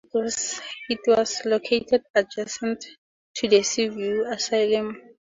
It was located adjacent to the Seaview Asylum.